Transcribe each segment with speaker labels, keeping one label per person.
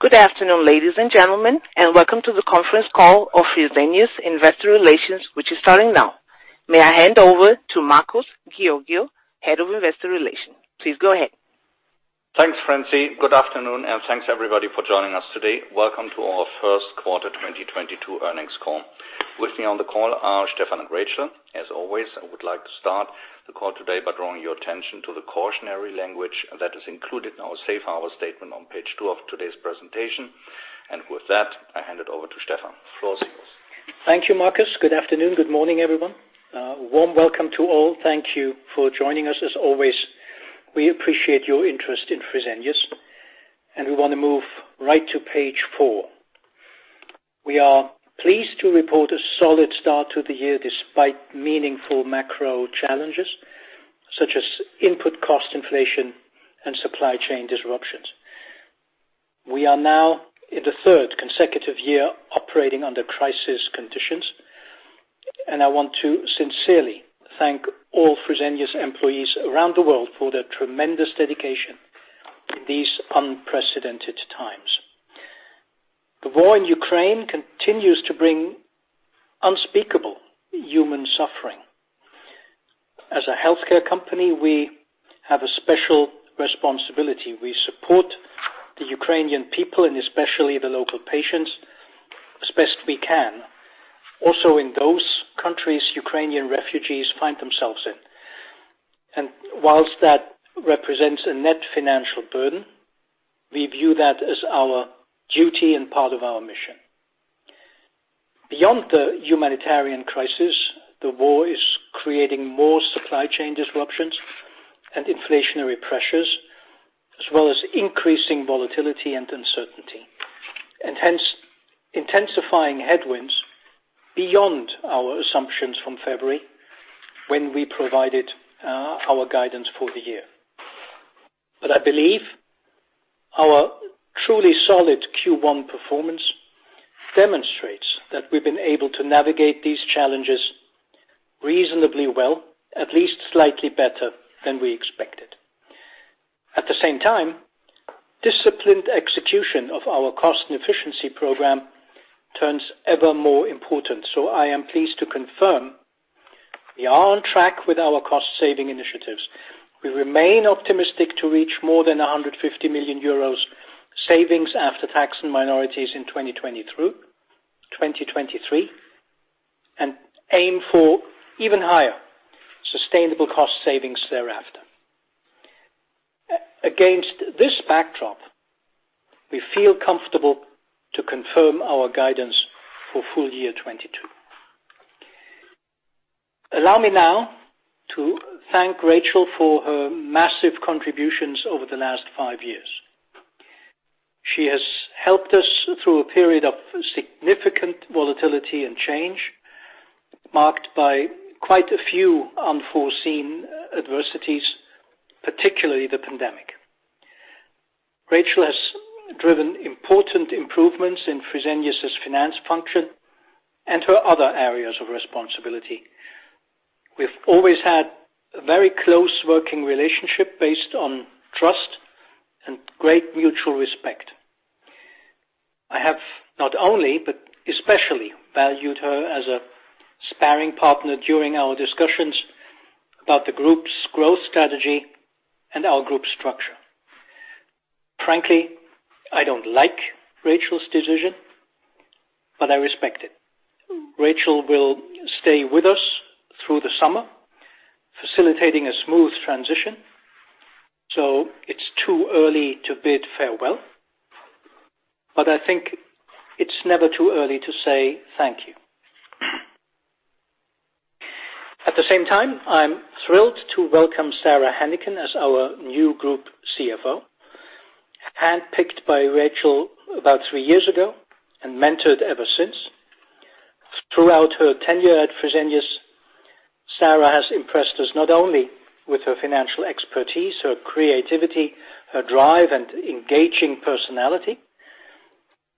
Speaker 1: Good afternoon, ladies and gentlemen, and welcome to the conference call of Fresenius Investor Relations, which is starting now. May I hand over to Markus Georgi, Head of Investor Relations. Please go ahead.
Speaker 2: Thanks, Francine. Good afternoon, and thanks everybody for joining us today. Welcome to our First Quarter 2022 Earnings Call. With me on the call are Stephan and Rachel. As always, I would like to start the call today by drawing your attention to the cautionary language that is included in our safe harbor statement on page two of today's presentation. With that, I hand it over to Stephan. The floor is yours.
Speaker 3: Thank you, Markus. Good afternoon, good morning, everyone. Warm welcome to all. Thank you for joining us as always. We appreciate your interest in Fresenius, and we wanna move right to page four. We are pleased to report a solid start to the year despite meaningful macro challenges, such as input cost inflation and supply chain disruptions. We are now in the third consecutive year operating under crisis conditions, and I want to sincerely thank all Fresenius employees around the world for their tremendous dedication in these unprecedented times. The war in Ukraine continues to bring unspeakable human suffering. As a healthcare company, we have a special responsibility. We support the Ukrainian people, and especially the local patients, as best we can, also in those countries Ukrainian refugees find themselves in. While that represents a net financial burden, we view that as our duty and part of our mission. Beyond the humanitarian crisis, the war is creating more supply chain disruptions and inflationary pressures, as well as increasing volatility and uncertainty, and hence intensifying headwinds beyond our assumptions from February when we provided our guidance for the year. I believe our truly solid Q1 performance demonstrates that we've been able to navigate these challenges reasonably well, at least slightly better than we expected. At the same time, disciplined execution of our cost and efficiency program turns ever more important, so I am pleased to confirm we are on track with our cost saving initiatives. We remain optimistic to reach more than 150 million euros savings after tax and minorities in 2023, and aim for even higher sustainable cost savings thereafter. Against this backdrop, we feel comfortable to confirm our guidance for full year 2022. Allow me now to thank Rachel for her massive contributions over the last five years. She has helped us through a period of significant volatility and change, marked by quite a few unforeseen adversities, particularly the pandemic. Rachel has driven important improvements in Fresenius' finance function and her other areas of responsibility. We've always had a very close working relationship based on trust and great mutual respect. I have not only, but especially valued her as a sparring partner during our discussions about the group's growth strategy and our group structure. Frankly, I don't like Rachel's decision, but I respect it. Rachel will stay with us through the summer, facilitating a smooth transition, so it's too early to bid farewell, but I think it's never too early to say thank you. At the same time, I'm thrilled to welcome Sara Hennicken as our new group CFO. Handpicked by Rachel about three years ago and mentored ever since. Throughout her tenure at Fresenius, Sara has impressed us not only with her financial expertise, her creativity, her drive, and engaging personality,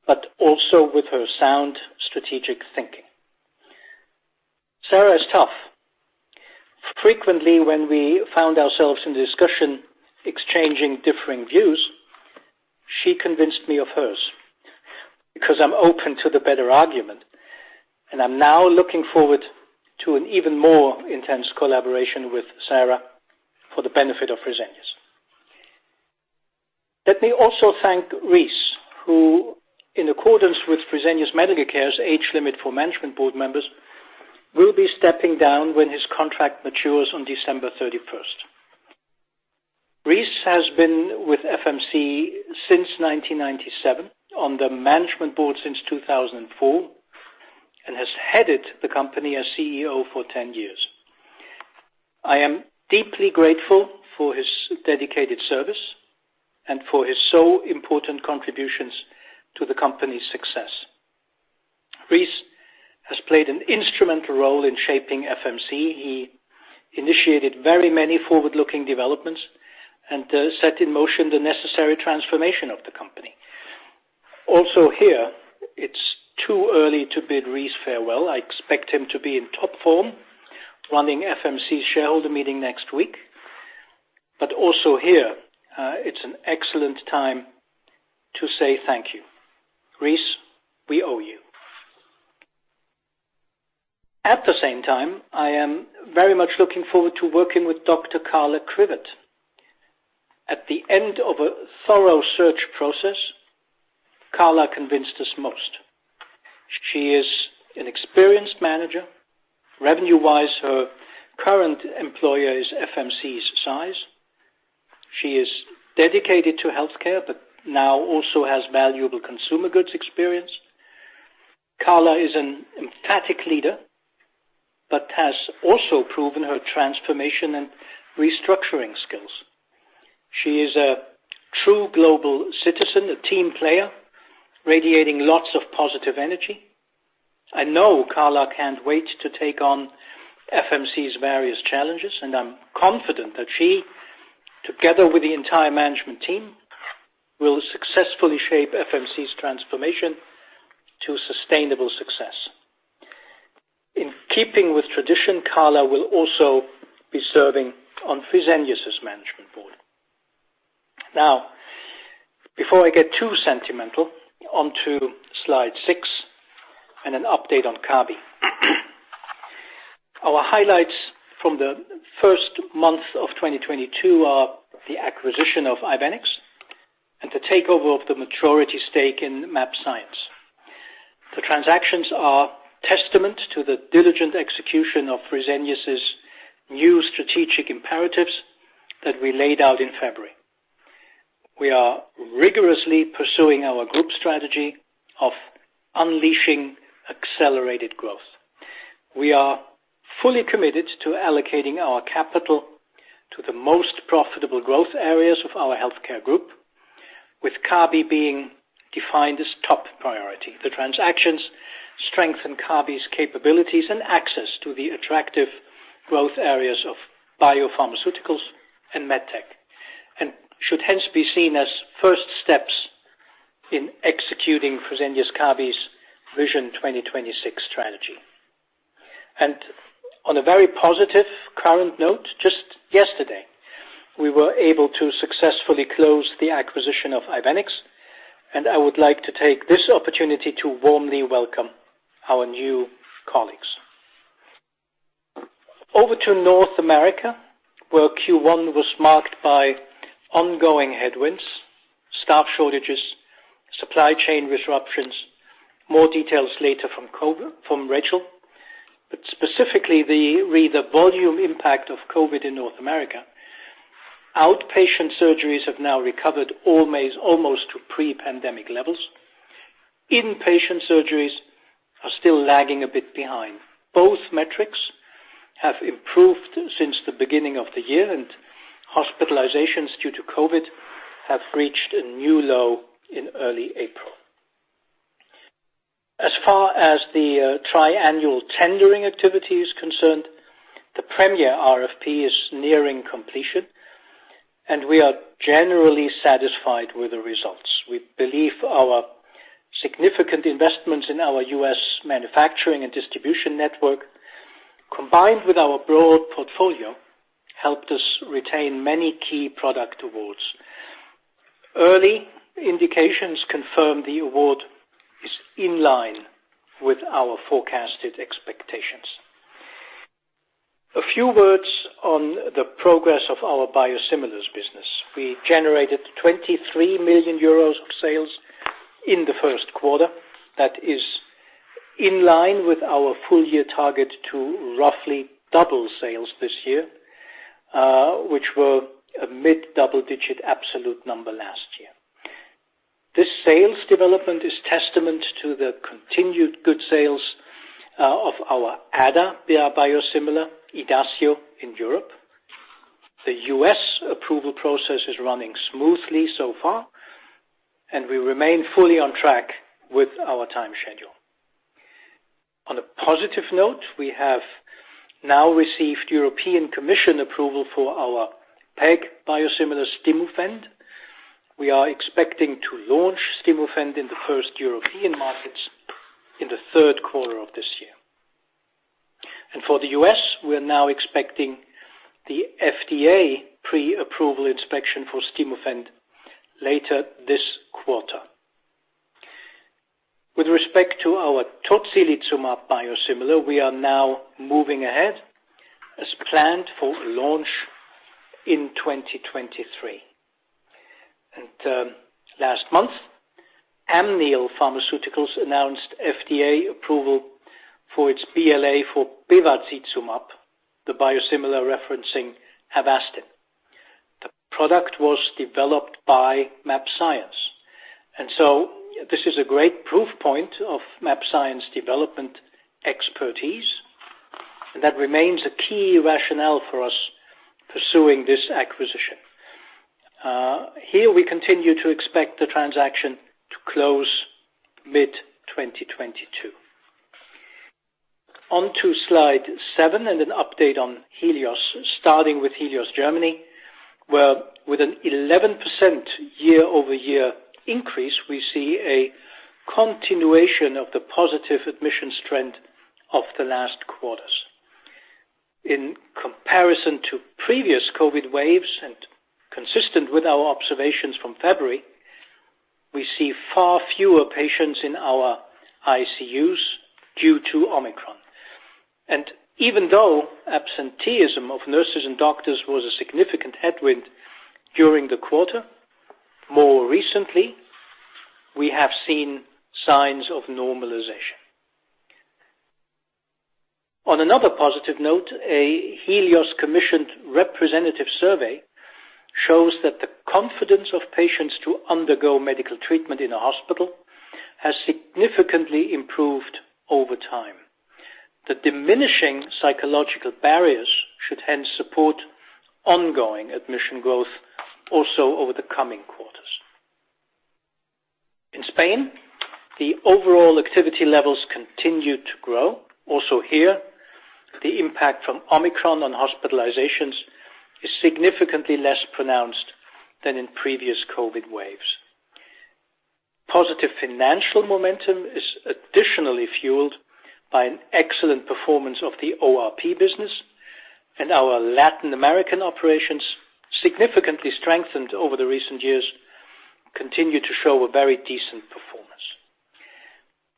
Speaker 3: but also with her sound strategic thinking. Sara is tough. Frequently, when we found ourselves in discussion exchanging differing views, she convinced me of hers because I'm open to the better argument, and I'm now looking forward to an even more intense collaboration with Sara for the benefit of Fresenius. Let me also thank Rice, who in accordance with Fresenius Medical Care's age limit for management board members, will be stepping down when his contract matures on December thirty-first. Rice has been with FMC since 1997, on the management board since 2004, and has headed the company as CEO for 10 years. I am deeply grateful for his dedicated service and for his so important contributions to the company's success. Rice has played an instrumental role in shaping FMC. He initiated very many forward-looking developments and set in motion the necessary transformation of the company. Also here, it's to bid Rice farewell. I expect him to be in top form running FMC shareholder meeting next week. Also here, it's an excellent time to say thank you. Rice, we owe you. At the same time, I am very much looking forward to working with Dr. Carla Kriwet. At the end of a thorough search process, Carla convinced us most. She is an experienced manager. Revenue-wise, her current employer is FMC's size. She is dedicated to healthcare, but now also has valuable consumer goods experience. Carla is an emphatic leader, but has also proven her transformation and restructuring skills. She is a true global citizen, a team player, radiating lots of positive energy. I know Carla can't wait to take on FMC's various challenges, and I'm confident that she, together with the entire management team, will successfully shape FMC's transformation to sustainable success. In keeping with tradition, Carla will also be serving on Fresenius' management board. Now, before I get too sentimental, on to slide six and an update on Kabi. Our highlights from the first month of 2022 are the acquisition of Ivenix and the takeover of the majority stake in mAbxience. The transactions are testament to the diligent execution of Fresenius' new strategic imperatives that we laid out in February. We are rigorously pursuing our group strategy of unleashing accelerated growth. We are fully committed to allocating our capital to the most profitable growth areas of our healthcare group, with Kabi being defined as top priority. The transactions strengthen Kabi's capabilities and access to the attractive growth areas of biopharmaceuticals and med tech, and should hence be seen as first steps in executing Fresenius Kabi's Vision 2026 strategy. On a very positive current note, just yesterday, we were able to successfully close the acquisition of Ivenix, and I would like to take this opportunity to warmly welcome our new colleagues. Over to North America, where Q1 was marked by ongoing headwinds, staff shortages, supply chain disruptions. More details later from Rachel. Specifically, the volume impact of COVID in North America. Outpatient surgeries have now recovered almost to pre-pandemic levels. Inpatient surgeries are still lagging a bit behind. Both metrics have improved since the beginning of the year, and hospitalizations due to COVID have reached a new low in early April. As far as the triannual tendering activity is concerned, the Premier RFP is nearing completion, and we are generally satisfied with the results. We believe our significant investments in our U.S. manufacturing and distribution network, combined with our broad portfolio, helped us retain many key product awards. Early indications confirm the award is in line with our forecasted expectations. A few words on the progress of our biosimilars business. We generated 23 million euros of sales in the first quarter. That is in line with our full year target to roughly double sales this year, which were a mid double-digit absolute number last year. This sales development is testament to the continued good sales of our adalimumab biosimilar, Idacio, in Europe. The US approval process is running smoothly so far, and we remain fully on track with our time schedule. On a positive note, we have now received European Commission approval for our pegfilgrastim biosimilar Stimufend. We are expecting to launch Stimufend in the first European markets in the third quarter of this year. For the US, we are now expecting the FDA pre-approval inspection for Stimufend later this quarter. With respect to our Tocilizumab biosimilar, we are now moving ahead as planned for launch in 2023. Last month, Amneal Pharmaceuticals announced FDA approval for its BLA for Bevacizumab, the biosimilar referencing Avastin. The product was developed by mAbxience. This is a great proof point of mAbxience development expertise, and that remains a key rationale for us pursuing this acquisition. Here we continue to expect the transaction to close mid-2022. On to slide seven and an update on Helios, starting with Helios Germany, where with an 11% year-over-year increase, we see a continuation of the positive admissions trend of the last quarters. In comparison to previous COVID waves and consistent with our observations from February, we see far fewer patients in our ICUs due to Omicron. Even though absenteeism of nurses and doctors was a significant headwind during the quarter, more recently, we have seen signs of normalization. On another positive note, a Helios commissioned representative survey shows that the confidence of patients to undergo medical treatment in a hospital has significantly improved over time. The diminishing psychological barriers should hence support ongoing admission growth also over the coming quarters. In Spain, the overall activity levels continue to grow. Also here, the impact from Omicron on hospitalizations is significantly less pronounced than in previous COVID waves. Positive financial momentum is additionally fueled by an excellent performance of the ORP business and our Latin American operations significantly strengthened over the recent years continue to show a very decent performance.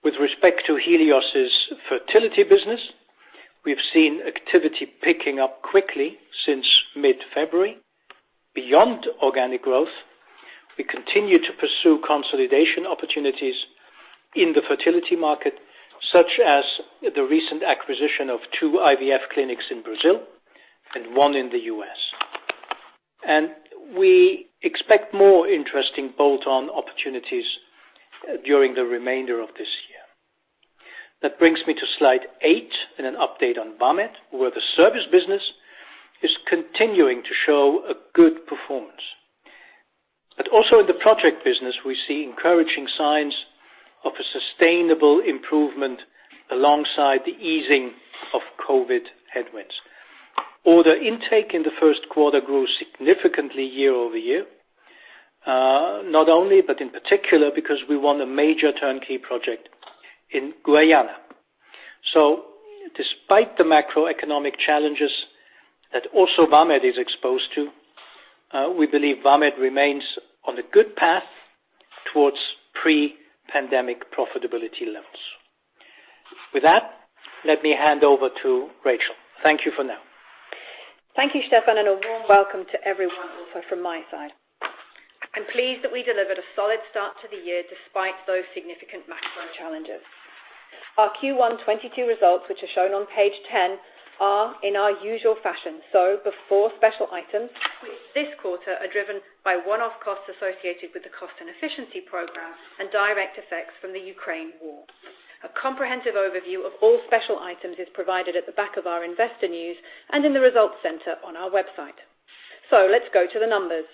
Speaker 3: With respect to Helios' fertility business, we've seen activity picking up quickly since mid-February. Beyond organic growth, we continue to pursue consolidation opportunities in the fertility market, such as the recent acquisition of two IVF clinics in Brazil and one in the U.S. We expect more interesting bolt-on opportunities during the remainder of this year. That brings me to slide eight and an update on Vamed, where the service business is continuing to show a good performance. Also in the project business, we see encouraging signs of a sustainable improvement alongside the easing of COVID headwinds. Order intake in the first quarter grew significantly year-over-year, not only, but in particular because we won a major turnkey project in Guyana. Despite the macroeconomic challenges that also Vamed is exposed to, we believe Vamed remains on a good path towards pre-pandemic profitability levels. With that, let me hand over to Rachel. Thank you for now.
Speaker 4: Thank you, Stephan, and a warm welcome to everyone also from my side. I'm pleased that we delivered a solid start to the year despite those significant macro challenges. Our Q1 2022 results, which are shown on page 10, are in our usual fashion, so before special items, which this quarter are driven by one-off costs associated with the cost and efficiency program and direct effects from the Ukraine war. A comprehensive overview of all special items is provided at the back of our investor news and in the results center on our website. Let's go to the numbers.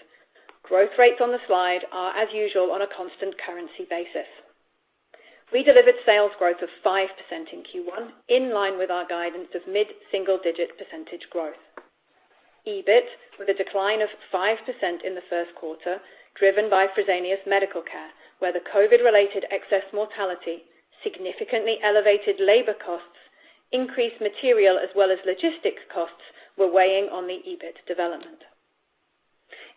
Speaker 4: Growth rates on the slide are, as usual, on a constant currency basis. We delivered sales growth of 5% in Q1, in line with our guidance of mid-single-digit percentage growth. EBIT with a decline of 5% in the first quarter, driven by Fresenius Medical Care, where the COVID-related excess mortality, significantly elevated labor costs, increased material, as well as logistics costs, were weighing on the EBIT development.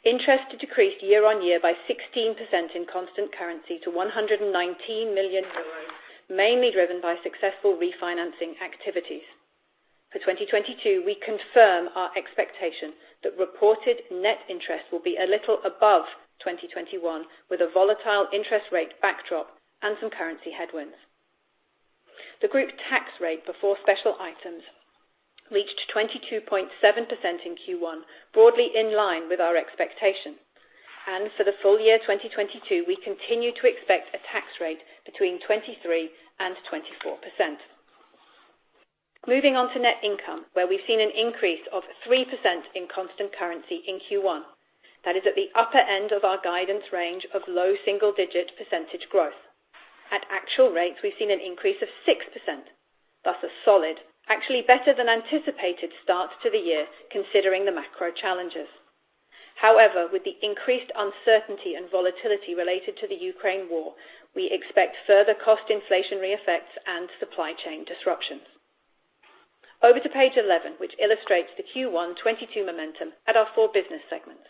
Speaker 4: Interest decreased year-on-year by 16% in constant currency to 119 million euros, mainly driven by successful refinancing activities. For 2022, we confirm our expectation that reported net interest will be a little above 2021, with a volatile interest rate backdrop and some currency headwinds. The group tax rate for four special items reached 22.7% in Q1, broadly in line with our expectation. For the full year 2022, we continue to expect a tax rate between 23% and 24%. Moving on to net income, where we've seen an increase of 3% in constant currency in Q1. That is at the upper end of our guidance range of low single-digit % growth. At actual rates, we've seen an increase of 6%, thus a solid, actually better than anticipated start to the year considering the macro challenges. However, with the increased uncertainty and volatility related to the Ukraine war, we expect further cost inflationary effects and supply chain disruptions. Over to page 11, which illustrates the Q1 2022 momentum at our four business segments.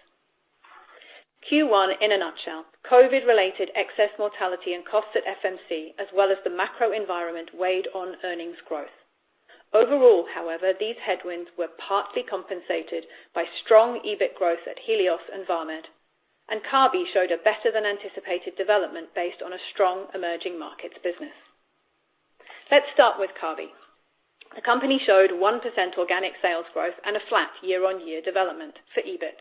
Speaker 4: Q1 in a nutshell, COVID-related excess mortality and costs at FMC, as well as the macro environment weighed on earnings growth. Overall, however, these headwinds were partly compensated by strong EBIT growth at Helios and Vamed, and Kabi showed a better than anticipated development based on a strong emerging markets business. Let's start with Kabi. The company showed 1% organic sales growth and a flat year-on-year development for EBIT.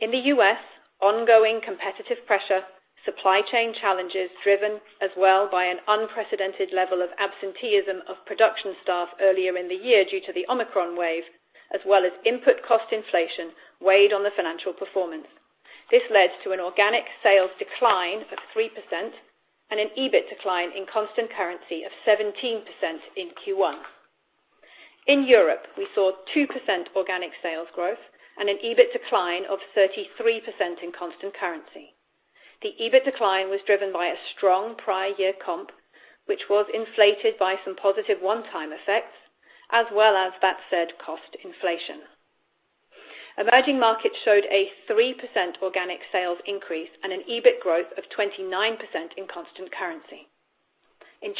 Speaker 4: In the US, ongoing competitive pressure, supply chain challenges driven as well by an unprecedented level of absenteeism of production staff earlier in the year due to the Omicron wave, as well as input cost inflation weighed on the financial performance. This led to an organic sales decline of 3% and an EBIT decline in constant currency of 17% in Q1. In Europe, we saw 2% organic sales growth and an EBIT decline of 33% in constant currency. The EBIT decline was driven by a strong prior year comp, which was inflated by some positive one-time effects, as well as that said cost inflation. Emerging markets showed a 3% organic sales increase and an EBIT growth of 29% in constant currency. In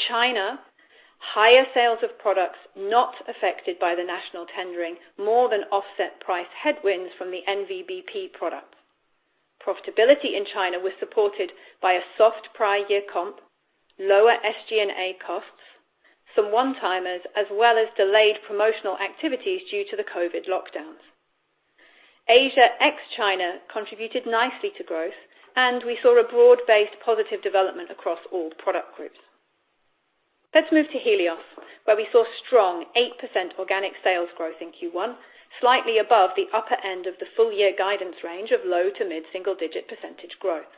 Speaker 4: China, higher sales of products not affected by the national tendering more than offset price headwinds from the NVBP products. Profitability in China was supported by a soft prior year comp, lower SG&A costs, some one-timers, as well as delayed promotional activities due to the COVID lockdowns. Asia ex China contributed nicely to growth, and we saw a broad-based positive development across all product groups. Let's move to Helios, where we saw strong 8% organic sales growth in Q1, slightly above the upper end of the full year guidance range of low to mid single-digit % growth.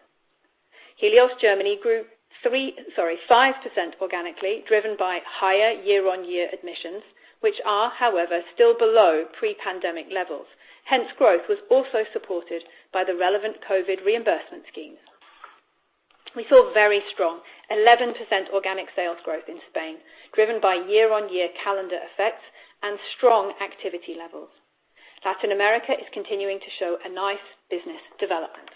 Speaker 4: Helios Germany grew 5% organically, driven by higher year-on-year admissions, which are, however, still below pre-pandemic levels. Hence, growth was also supported by the relevant COVID reimbursement schemes. We saw very strong 11% organic sales growth in Spain, driven by year-on-year calendar effects and strong activity levels. Latin America is continuing to show a nice business development.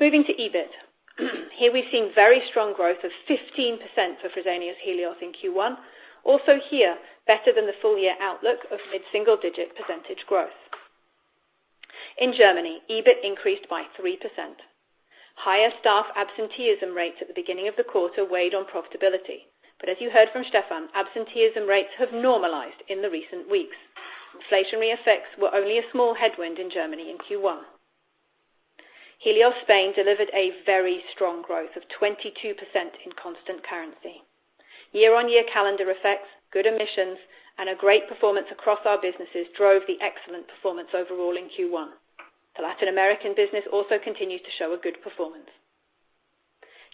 Speaker 4: Moving to EBIT. We've seen very strong growth of 15% for Fresenius Helios in Q1. Also here, better than the full year outlook of mid single digit percentage growth. In Germany, EBIT increased by 3%. Higher staff absenteeism rates at the beginning of the quarter weighed on profitability. As you heard from Stephan, absenteeism rates have normalized in the recent weeks. Inflationary effects were only a small headwind in Germany in Q1. Helios Spain delivered a very strong growth of 22% in constant currency. Year-on-year calendar effects, good admissions, and a great performance across our businesses drove the excellent performance overall in Q1. The Latin American business also continued to show a good performance.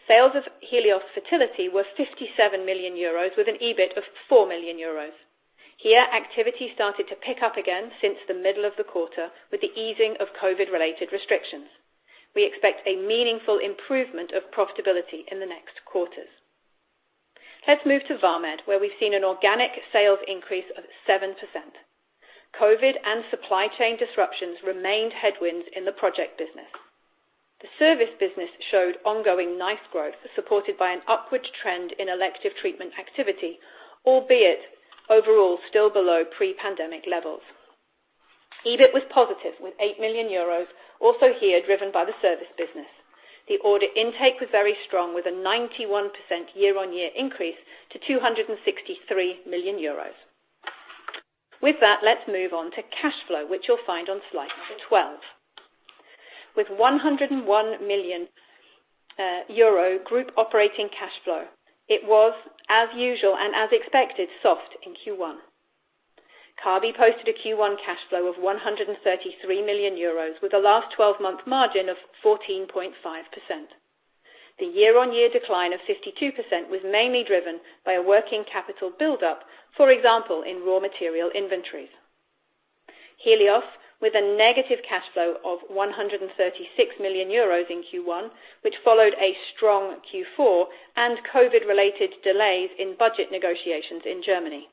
Speaker 4: Sales of Helios fertility were 57 million euros with an EBIT of 4 million euros. Here, activity started to pick up again since the middle of the quarter with the easing of COVID-related restrictions. We expect a meaningful improvement of profitability in the next quarters. Let's move to Vamed, where we've seen an organic sales increase of 7%. COVID and supply chain disruptions remained headwinds in the project business. The service business showed ongoing nice growth, supported by an upward trend in elective treatment activity, albeit overall still below pre-pandemic levels. EBIT was positive with 8 million euros, also here driven by the service business. The order intake was very strong with a 91% year-on-year increase to 263 million euros. With that, let's move on to cash flow, which you'll find on slide 12. With 101 million euro group operating cash flow, it was, as usual and as expected, soft in Q1. Kabi posted a Q1 cash flow of EUR 133 million with a last twelve month margin of 14.5%. The year-on-year decline of 52% was mainly driven by a working capital build-up, for example, in raw material inventories. Helios with a negative cash flow of 136 million euros in Q1, which followed a strong Q4 and COVID-related delays in budget negotiations in Germany.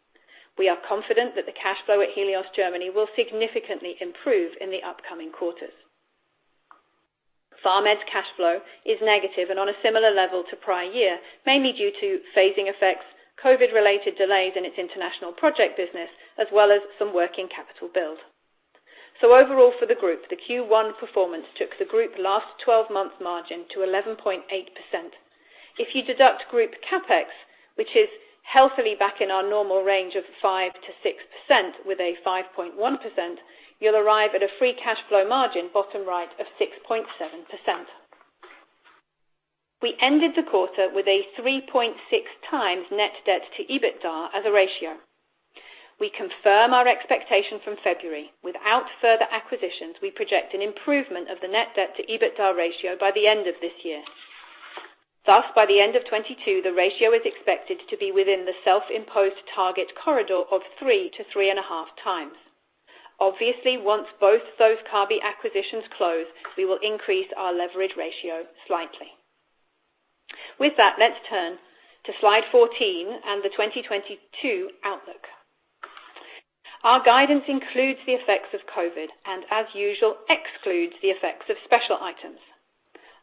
Speaker 4: We are confident that the cash flow at Helios Germany will significantly improve in the upcoming quarters. Vamed's cash flow is negative and on a similar level to prior year, mainly due to phasing effects, COVID-related delays in its international project business, as well as some working capital build. Overall for the group, the Q1 performance took the group last twelve months margin to 11.8%. If you deduct group CapEx, which is healthily back in our normal range of 5%-6% with a 5.1%, you'll arrive at a free cash flow margin, bottom right, of 6.7%. We ended the quarter with a 3.6x net debt to EBITDA as a ratio. We confirm our expectation from February. Without further acquisitions, we project an improvement of the net debt to EBITDA ratio by the end of this year. Thus, by the end of 2022, the ratio is expected to be within the self-imposed target corridor of 3x-3.5x. Obviously, once both those Kabi acquisitions close, we will increase our leverage ratio slightly. With that, let's turn to slide 14 and the 2022 outlook. Our guidance includes the effects of COVID, and as usual, excludes the effects of special items.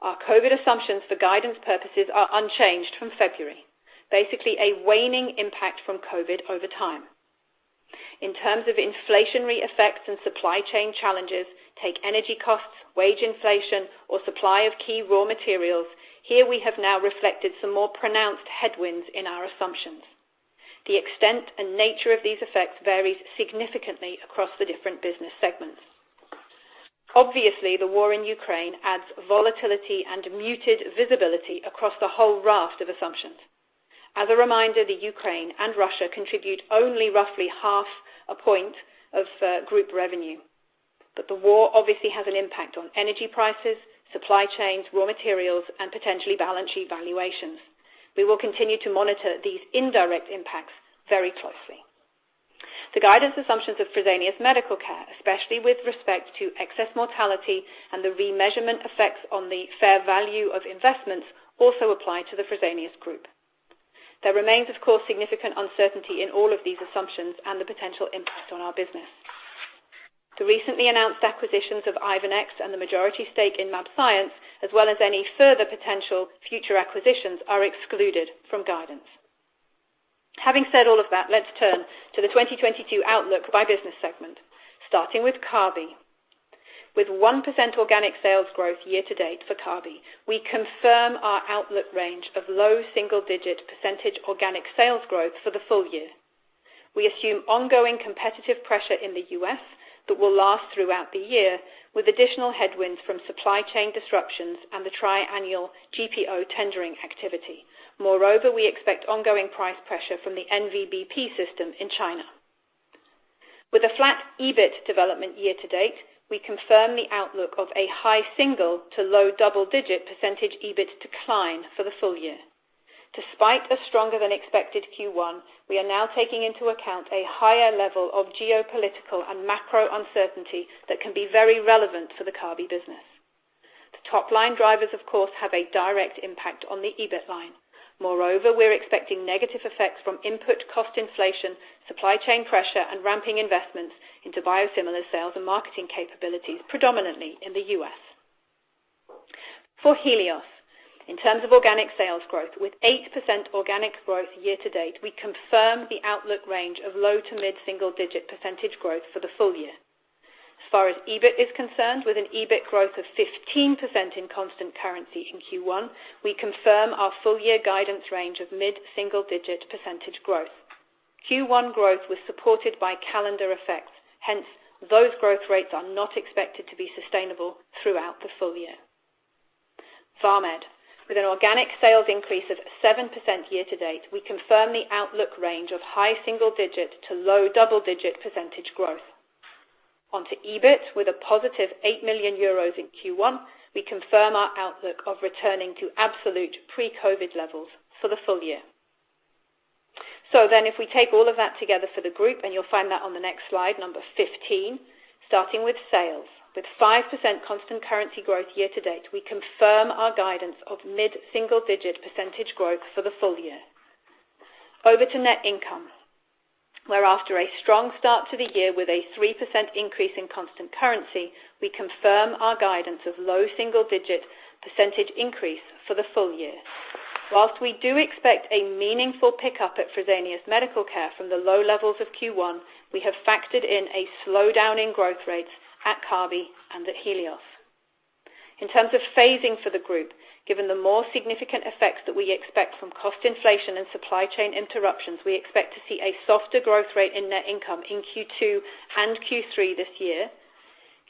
Speaker 4: Our COVID assumptions for guidance purposes are unchanged from February, basically a waning impact from COVID over time. In terms of inflationary effects and supply chain challenges, take energy costs, wage inflation, or supply of key raw materials, here we have now reflected some more pronounced headwinds in our assumptions. The extent and nature of these effects varies significantly across the different business segments. Obviously, the war in Ukraine adds volatility and muted visibility across the whole raft of assumptions. As a reminder, the Ukraine and Russia contribute only roughly half a point of group revenue. The war obviously has an impact on energy prices, supply chains, raw materials, and potentially balance sheet valuations. We will continue to monitor these indirect impacts very closely. The guidance assumptions of Fresenius Medical Care, especially with respect to excess mortality and the remeasurement effects on the fair value of investments, also apply to the Fresenius group. There remains, of course, significant uncertainty in all of these assumptions and the potential impact on our business. The recently announced acquisitions of Ivenix and the majority stake in mAbxience, as well as any further potential future acquisitions, are excluded from guidance. Having said all of that, let's turn to the 2022 outlook by business segment, starting with Kabi. With 1% organic sales growth year to date for Kabi, we confirm our outlook range of low single-digit % organic sales growth for the full year. We assume ongoing competitive pressure in the U.S. that will last throughout the year, with additional headwinds from supply chain disruptions and the tri-annual GPO tendering activity. Moreover, we expect ongoing price pressure from the NVBP system in China. With a flat EBIT development year to date, we confirm the outlook of a high single- to low double-digit % EBIT decline for the full year. Despite a stronger than expected Q1, we are now taking into account a higher level of geopolitical and macro uncertainty that can be very relevant for the Kabi business. The top-line drivers, of course, have a direct impact on the EBIT line. Moreover, we're expecting negative effects from input cost inflation, supply chain pressure, and ramping investments into biosimilar sales and marketing capabilities, predominantly in the U.S. For Helios, in terms of organic sales growth, with 8% organic growth year to date, we confirm the outlook range of low- to mid-single-digit % growth for the full year. As far as EBIT is concerned, with an EBIT growth of 15% in constant currency in Q1, we confirm our full-year guidance range of mid-single-digit percentage growth. Q1 growth was supported by calendar effects, hence, those growth rates are not expected to be sustainable throughout the full year. Vamed. With an organic sales increase of 7% year to date, we confirm the outlook range of high single-digit to low double-digit percentage growth. Onto EBIT, with a positive 8 million euros in Q1, we confirm our outlook of returning to absolute pre-COVID levels for the full year. If we take all of that together for the group, and you'll find that on the next slide, number 15. Starting with sales. With 5% constant currency growth year to date, we confirm our guidance of mid-single-digit percentage growth for the full year. Over to net income, where after a strong start to the year with a 3% increase in constant currency, we confirm our guidance of low single-digit % increase for the full year. While we do expect a meaningful pickup at Fresenius Medical Care from the low levels of Q1, we have factored in a slowdown in growth rates at Kabi and at Helios. In terms of phasing for the group, given the more significant effects that we expect from cost inflation and supply chain interruptions, we expect to see a softer growth rate in net income in Q2 and Q3 this year.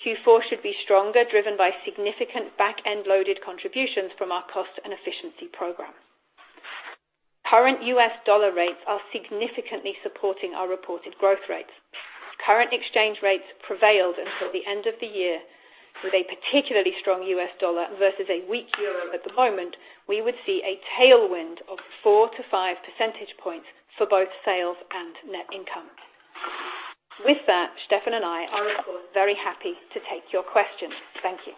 Speaker 4: Q4 should be stronger, driven by significant back-end loaded contributions from our cost and efficiency program. Current US dollar rates are significantly supporting our reported growth rates. If current exchange rates prevailed until the end of the year with a particularly strong US dollar versus a weak euro at the moment, we would see a tailwind of 4-5 percentage points for both sales and net income. With that, Stephan and I are of course very happy to take your questions. Thank you.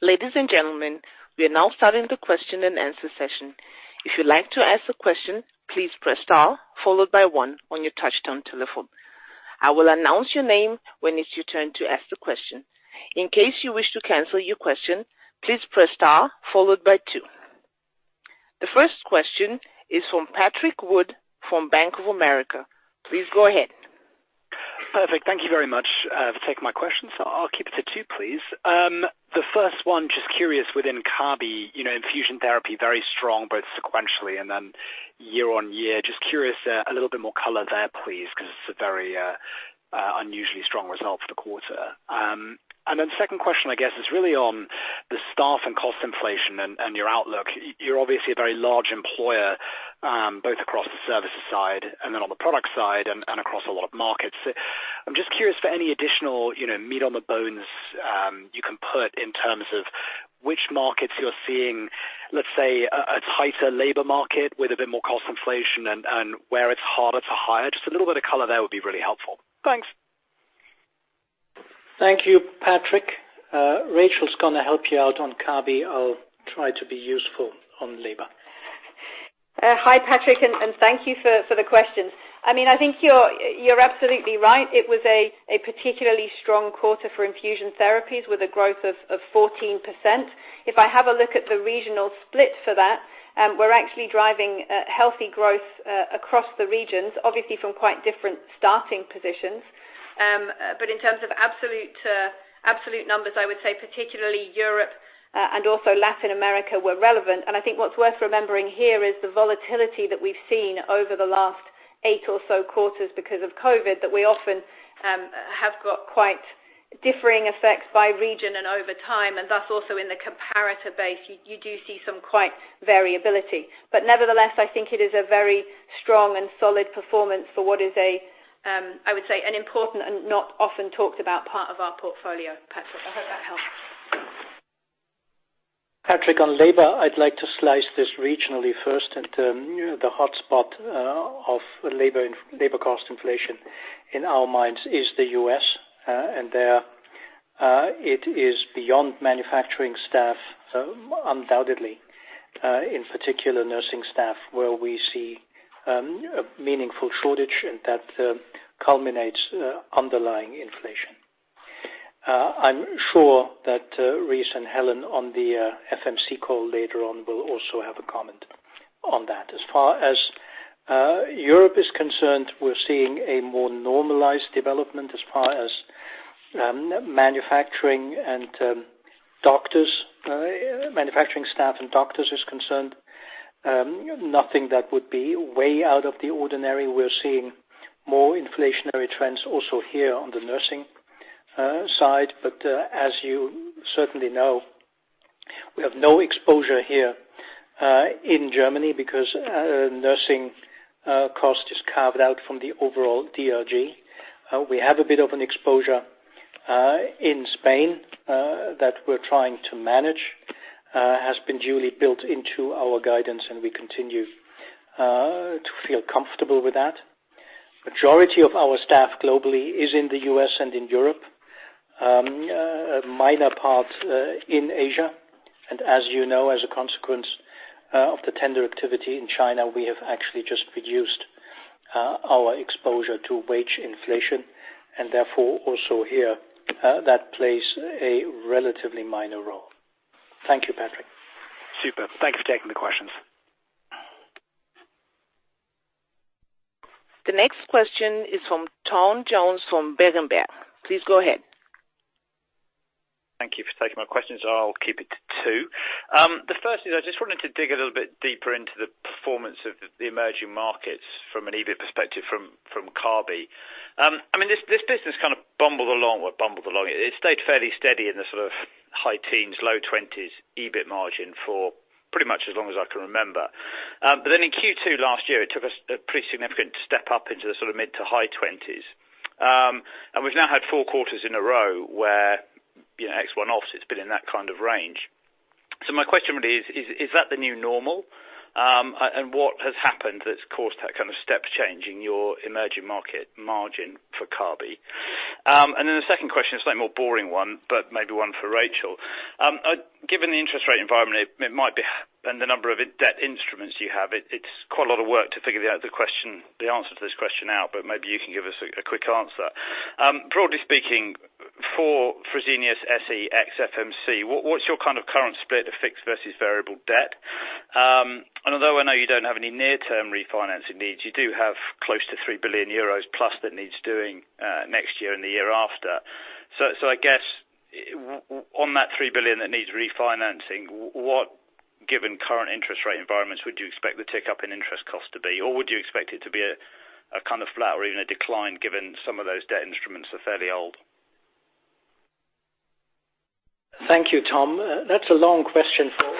Speaker 1: Ladies and gentlemen, we are now starting the question and answer session. If you'd like to ask a question, please press star followed by one on your touch-tone telephone. I will announce your name when it's your turn to ask the question. In case you wish to cancel your question, please press star followed by two. The first question is from Patrick Wood from Bank of America. Please go ahead.
Speaker 5: Perfect. Thank you very much for taking my question. I'll keep it to two, please. The first one, just curious within Kabi, you know, infusion therapy, very strong, both sequentially and then year on year. Just curious, a little bit more color there, please, 'cause it's a very unusually strong result for the quarter. Then second question, I guess, is really on the staff and cost inflation and your outlook. You're obviously a very large employer, both across the services side and then on the product side and across a lot of markets. I'm just curious for any additional, you know, meat on the bones, you can put in terms of which markets you're seeing, let's say a tighter labor market with a bit more cost inflation and where it's harder to hire. Just a little bit of color there would be really helpful. Thanks.
Speaker 3: Thank you, Patrick. Rachel's gonna help you out on Kabi. I'll try to be useful on labor.
Speaker 4: Hi, Patrick, and thank you for the questions. I mean, I think you're absolutely right. It was a particularly strong quarter for infusion therapies with a growth of 14%. If I have a look at the regional split for that, we're actually driving healthy growth across the regions, obviously from quite different starting positions. But in terms of absolute numbers, I would say particularly Europe and also Latin America were relevant. I think what's worth remembering here is the volatility that we've seen over the last eight or so quarters because of COVID, that we often have got quite differing effects by region and over time. Thus, also in the comparator base, you do see some quite variability. Nevertheless, I think it is a very strong and solid performance for what is a, I would say, an important and not often talked about part of our portfolio. Patrick, I hope that helps.
Speaker 3: Patrick, on labor, I'd like to slice this regionally first. You know, the hotspot of labor cost inflation in our minds is the U.S. There, it is beyond manufacturing staff, undoubtedly. In particular, nursing staff, where we see a meaningful shortage and that culminates in underlying inflation. I'm sure that Rice and Helen on the FMC call later on will also have a comment on that. As far as Europe is concerned, we're seeing a more normalized development as far as manufacturing staff and doctors is concerned. Nothing that would be way out of the ordinary. We're seeing more inflationary trends also here on the nursing side. As you certainly know, we have no exposure here in Germany because nursing cost is carved out from the overall DRG. We have a bit of an exposure in Spain that we're trying to manage. It has been duly built into our guidance, and we continue to feel comfortable with that. Majority of our staff globally is in the U.S. and in Europe. A minor part in Asia. As you know, as a consequence of the tender activity in China, we have actually just reduced our exposure to wage inflation and therefore also here that plays a relatively minor role. Thank you, Patrick.
Speaker 5: Super. Thank you for taking the questions.
Speaker 1: The next question is from Tom Jones from Berenberg. Please go ahead.
Speaker 6: Thank you for taking my questions. I'll keep it to two. The first is I just wanted to dig a little bit deeper into the performance of the emerging markets from an EBIT perspective from Kabi. I mean, this business kind of bumbled along. It stayed fairly steady in the sort of high teens-low 20s% EBIT margin for pretty much as long as I can remember. Then in Q2 last year, it took a pretty significant step up into the sort of mid- to high 20s%. We've now had four quarters in a row where, you know, X1 office has been in that kind of range. My question really is that the new normal? What has happened that's caused that kind of step change in your emerging market margin for Kabi? The second question is a slightly more boring one, but maybe one for Rachel. Given the interest rate environment, it might be hard, and the number of debt instruments you have, it's quite a lot of work to figure out the answer to this question, but maybe you can give us a quick answer. Broadly speaking, for Fresenius SE ex FMC, what's your kind of current split of fixed versus variable debt? Although I know you don't have any near-term refinancing needs, you do have close to 3 billion euros plus that needs doing next year and the year after. I guess on that 3 billion that needs refinancing, what, given current interest rate environments would you expect the tick up in interest costs to be? Or would you expect it to be a kind of flat or even a decline given some of those debt instruments are fairly old?
Speaker 3: Thank you, Tom. That's a long question for a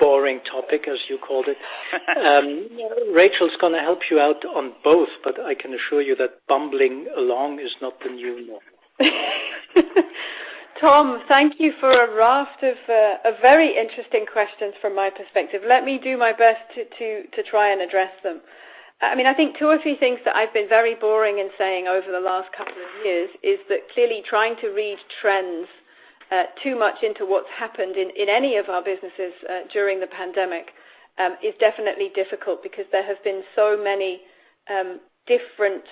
Speaker 3: boring topic, as you called it. Rachel's gonna help you out on both, but I can assure you that bumbling along is not the new normal.
Speaker 4: Tom, thank you for a raft of very interesting questions from my perspective. Let me do my best to try and address them. I mean, I think two or three things that I've been very boring in saying over the last couple of years is that clearly trying to read trends too much into what's happened in any of our businesses during the pandemic is definitely difficult because there have been so many different,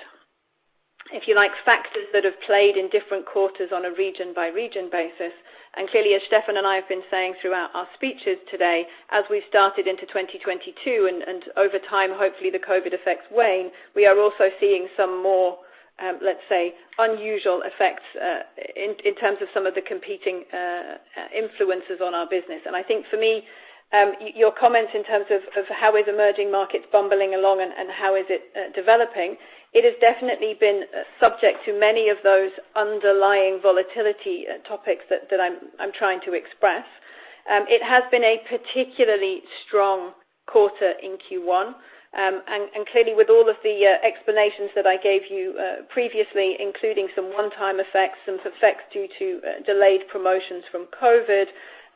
Speaker 4: if you like, factors that have played in different quarters on a region-by-region basis. Clearly, as Stefan and I have been saying throughout our speeches today, as we started into 2022 and over time, hopefully the COVID effects wane, we are also seeing some more, let's say, unusual effects in terms of some of the competing influences on our business. I think for me, your comments in terms of how is emerging markets bumping along and how is it developing, it has definitely been subject to many of those underlying volatility topics that I'm trying to express. It has been a particularly strong quarter in Q1. Clearly with all of the explanations that I gave you previously, including some one-time effects, some effects due to delayed promotions from COVID,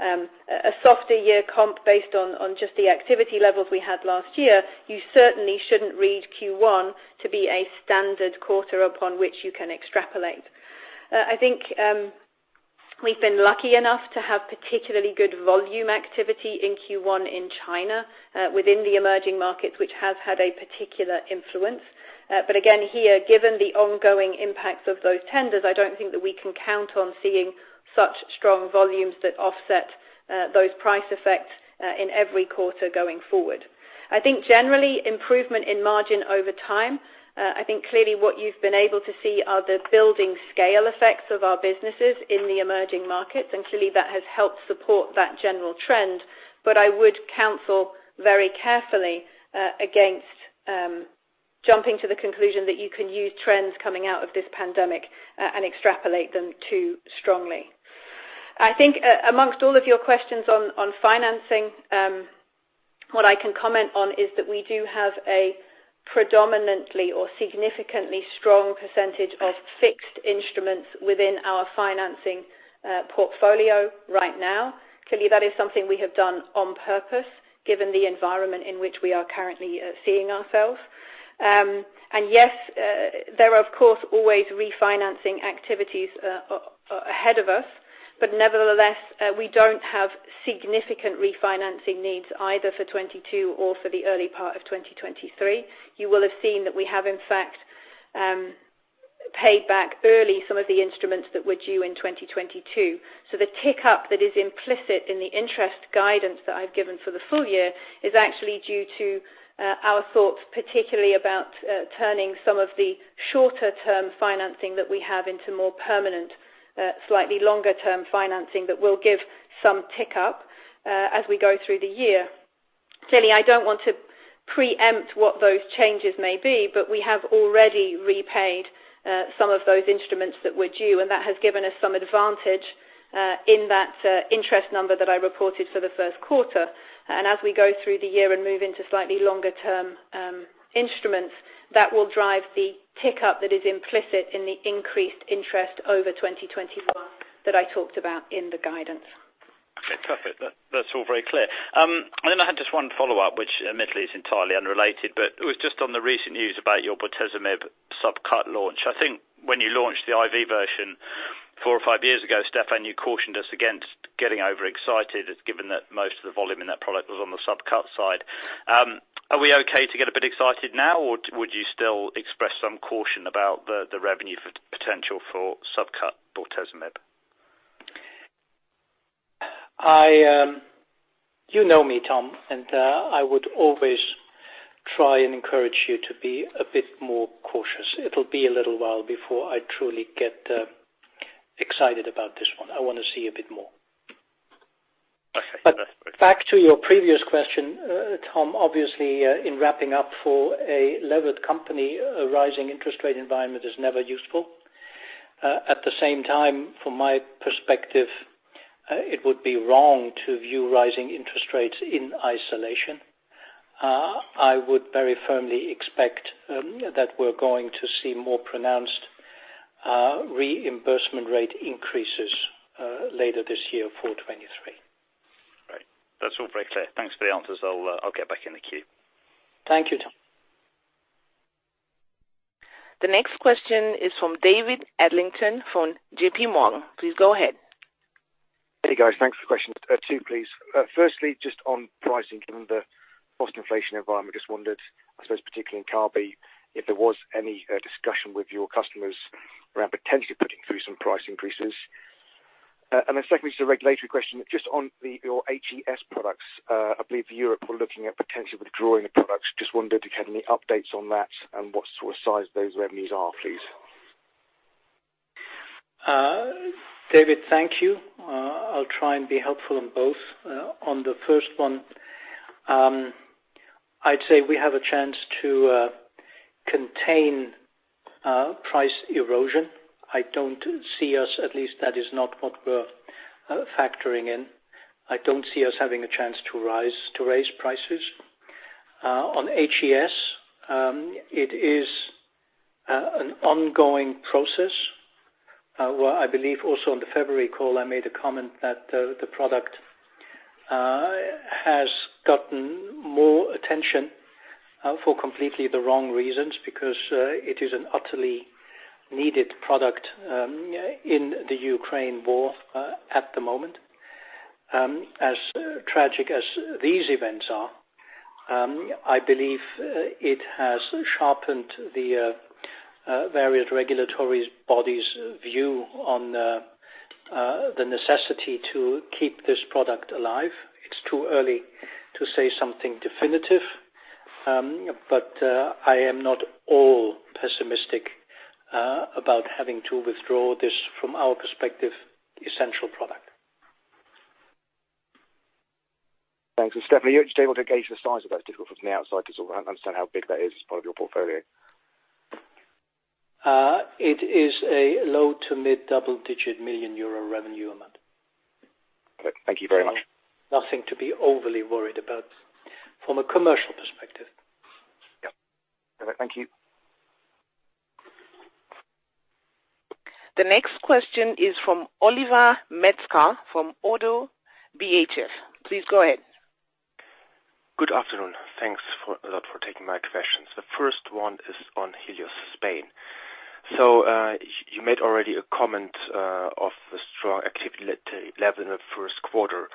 Speaker 4: a softer year comp based on just the activity levels we had last year, you certainly shouldn't read Q1 to be a standard quarter upon which you can extrapolate. I think we've been lucky enough to have particularly good volume activity in Q1 in China within the emerging markets, which has had a particular influence. Again, here, given the ongoing impacts of those tenders, I don't think that we can count on seeing such strong volumes that offset those price effects in every quarter going forward. I think generally, improvement in margin over time. I think clearly what you've been able to see are the building scale effects of our businesses in the emerging markets, and clearly that has helped support that general trend. I would counsel very carefully against jumping to the conclusion that you can use trends coming out of this pandemic and extrapolate them too strongly. I think among all of your questions on financing, what I can comment on is that we do have a predominantly or significantly strong percentage of fixed instruments within our financing portfolio right now. Clearly, that is something we have done on purpose given the environment in which we are currently seeing ourselves. Yes, there are, of course, always refinancing activities ahead of us. Nevertheless, we don't have significant refinancing needs either for 2022 or for the early part of 2023. You will have seen that we have in fact paid back early some of the instruments that were due in 2022. The tick up that is implicit in the interest guidance that I've given for the full year is actually due to our thoughts, particularly about turning some of the shorter-term financing that we have into more permanent slightly longer-term financing that will give some tick up as we go through the year. Clearly, I don't want to preempt what those changes may be, but we have already repaid some of those instruments that were due, and that has given us some advantage in that interest number that I reported for the first quarter. As we go through the year and move into slightly longer-term instruments, that will drive the tick up that is implicit in the increased interest over 2024 that I talked about in the guidance.
Speaker 6: Perfect. That's all very clear. I had just one follow-up, which admittedly is entirely unrelated, but it was just on the recent news about your bortezomib subcut launch. I think when you launched the IV version four or five years ago, Stephan, you cautioned us against getting overexcited as given that most of the volume in that product was on the subcut side. Are we okay to get a bit excited now, or would you still express some caution about the revenue potential for subcut bortezomib?
Speaker 3: I, you know me, Tom, and I would always try and encourage you to be a bit more cautious. It'll be a little while before I truly get excited about this one. I wanna see a bit more.
Speaker 6: Okay. That's great.
Speaker 3: Back to your previous question, Tom, obviously, in wrapping up for a levered company, a rising interest rate environment is never useful. At the same time, from my perspective, it would be wrong to view rising interest rates in isolation. I would very firmly expect that we're going to see more pronounced reimbursement rate increases later this year for 2023.
Speaker 6: Great. That's all very clear. Thanks for the answers. I'll get back in the queue.
Speaker 3: Thank you, Tom.
Speaker 1: The next question is from David Adlington from JP Morgan. Please go ahead.
Speaker 7: Hey, guys. Thanks for the question. Two, please. Firstly, just on pricing, given the cost inflation environment, just wondered, I suppose particularly in Kabi, if there was any discussion with your customers around potentially putting through some price increases. Then secondly, just a regulatory question. Just on your HES products, I believe Europe were looking at potentially withdrawing the products. Just wondered if you had any updates on that and what sort of size those revenues are, please.
Speaker 3: David, thank you. I'll try and be helpful on both. On the first one, I'd say we have a chance to contain price erosion. I don't see us, at least that is not what we're factoring in. I don't see us having a chance to raise prices. On HES, it is an ongoing process. Well, I believe also on the February call, I made a comment that the product has gotten more attention for completely the wrong reasons because it is an utterly needed product in the Ukraine war at the moment. As tragic as these events are, I believe it has sharpened the various regulatory bodies' view on the necessity to keep this product alive. It's too early to say something definitive, but I am not at all pessimistic about having to withdraw this, from our perspective, essential product.
Speaker 7: Thanks. Stephan, are you able to gauge the size of that? It's difficult from the outside to sort of understand how big that is as part of your portfolio.
Speaker 3: It is a low- to mid-double-digit million EUR revenue amount.
Speaker 7: Okay. Thank you very much.
Speaker 3: Nothing to be overly worried about from a commercial perspective.
Speaker 7: Yeah. All right. Thank you.
Speaker 1: The next question is from Oliver Metzger from ODDO BHF. Please go ahead.
Speaker 8: Good afternoon. Thanks a lot for taking my questions. The first one is on Helios Spain. You made already a comment of the strong activity level in the first quarter.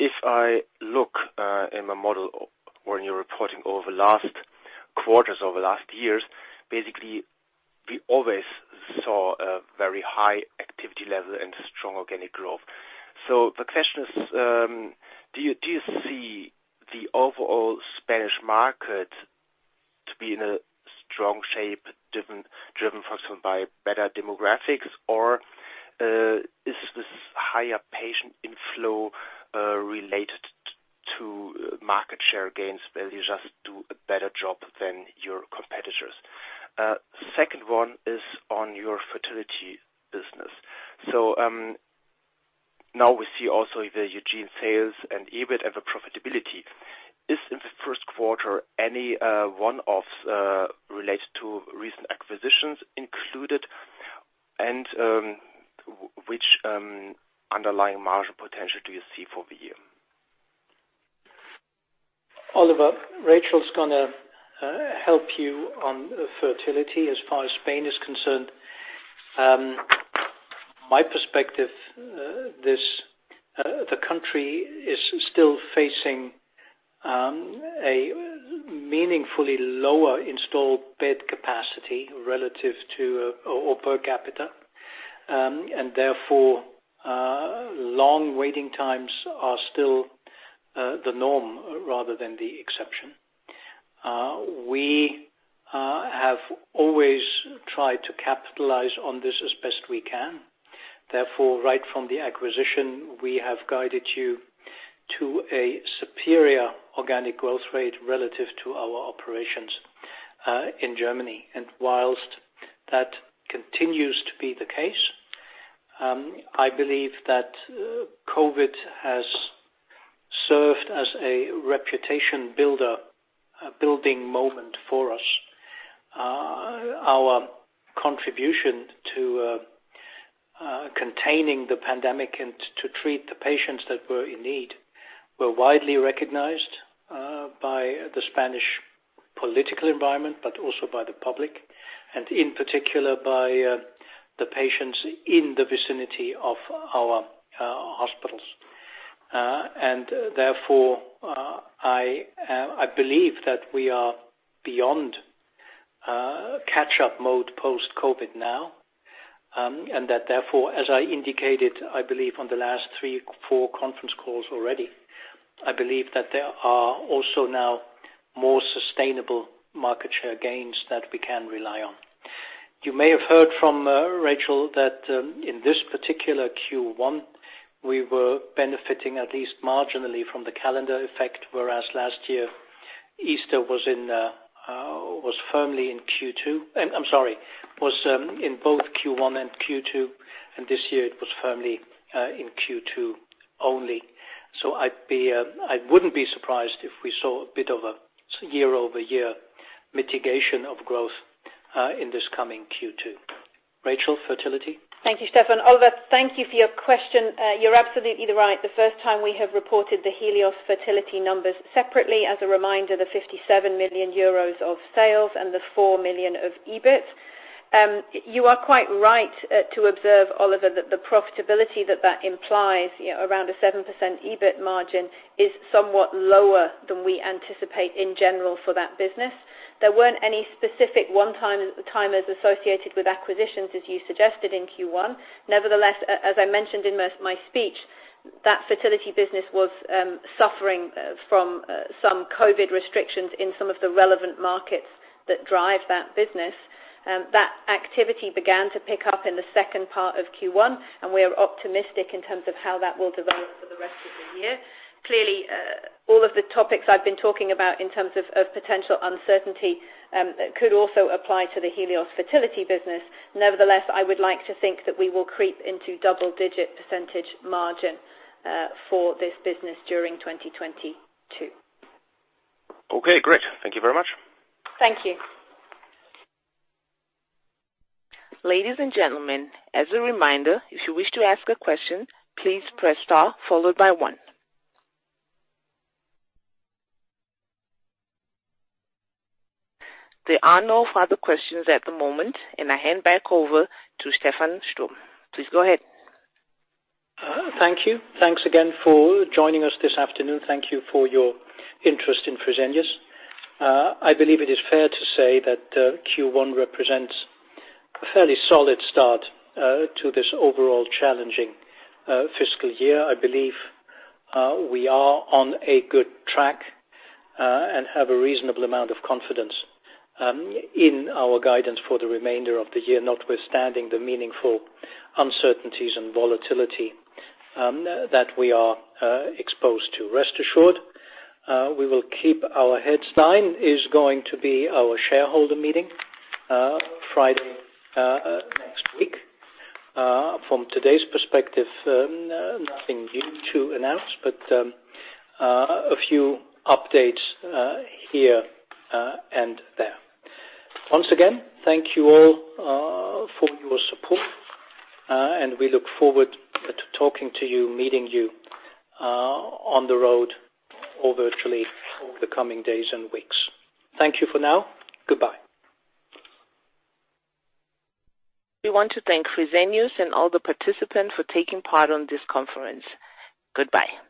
Speaker 8: If I look in my model when you're reporting over the last quarters, over the last years, basically, we always saw a very high activity level and strong organic growth. The question is, do you see the overall Spanish market to be in a strong shape, driven for some by better demographics? Or is higher patient inflow related to market share gains where you just do a better job than your competitors. Second one is on your fertility business. Now we see also the Eugin sales and EBIT and the profitability. In the first quarter, any one-offs related to recent acquisitions included, and which underlying margin potential do you see for the year?
Speaker 3: Oliver, Rachel's gonna help you on fertility. As far as Spain is concerned, my perspective, the country is still facing a meaningfully lower installed bed capacity relative to, or per capita. Therefore, long waiting times are still the norm rather than the exception. We have always tried to capitalize on this as best we can. Therefore, right from the acquisition, we have guided you to a superior organic growth rate relative to our operations in Germany. Whilst that continues to be the case, I believe that COVID has served as a reputation building moment for us. Our contribution to containing the pandemic and to treat the patients that were in need were widely recognized by the Spanish political environment, but also by the public, and in particular by the patients in the vicinity of our hospitals. Therefore, I believe that we are beyond catch-up mode post-COVID now, and that therefore, as I indicated, I believe on the last three, four conference calls already, I believe that there are also now more sustainable market share gains that we can rely on. You may have heard from Rachel that in this particular Q1, we were benefiting at least marginally from the calendar effect, whereas last year, Easter was firmly in Q2. I'm sorry, in both Q1 and Q2, and this year it was firmly in Q2 only. I wouldn't be surprised if we saw a bit of a year-over-year mitigation of growth in this coming Q2. Rachel, fertility.
Speaker 4: Thank you, Stephan. Oliver, thank you for your question. You're absolutely right. The first time we have reported the Helios fertility numbers separately, as a reminder, the 57 million euros of sales and the 4 million of EBIT. You are quite right to observe, Oliver, that the profitability that implies, you know, around a 7% EBIT margin is somewhat lower than we anticipate in general for that business. There weren't any specific one-time items associated with acquisitions, as you suggested in Q1. Nevertheless, as I mentioned in my speech, that fertility business was suffering from some COVID restrictions in some of the relevant markets that drive that business. That activity began to pick up in the second part of Q1, and we are optimistic in terms of how that will develop for the rest of the year. Clearly, all of the topics I've been talking about in terms of of potential uncertainty could also apply to the Helios fertility business. Nevertheless, I would like to think that we will creep into double-digit percentage margin for this business during 2022.
Speaker 8: Okay, great. Thank you very much.
Speaker 4: Thank you.
Speaker 1: Ladies and gentlemen, as a reminder, if you wish to ask a question, please press star followed by one. There are no further questions at the moment, and I hand back over to Stephan Sturm. Please go ahead.
Speaker 3: Thank you. Thanks again for joining us this afternoon. Thank you for your interest in Fresenius. I believe it is fair to say that Q1 represents a fairly solid start to this overall challenging fiscal year. I believe we are on a good track and have a reasonable amount of confidence in our guidance for the remainder of the year, notwithstanding the meaningful uncertainties and volatility that we are exposed to. Rest assured, we will keep our heads. The ninth is going to be our shareholder meeting Friday next week. From today's perspective, nothing new to announce, but a few updates here and there. Once again, thank you all for your support, and we look forward to talking to you, meeting you on the road or virtually over the coming days and weeks. Thank you for now. Goodbye.
Speaker 1: We want to thank Fresenius and all the participants for taking part on this conference. Goodbye.